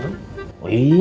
tapi besok saya pasti ikut